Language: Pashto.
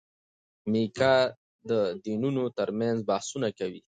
میکا د دینونو ترمنځ بحثونه کوي.